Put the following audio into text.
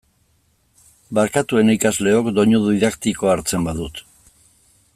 Barkatu, ene ikasleok, doinu didaktikoa hartzen badut.